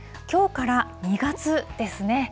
きょうから２月ですね。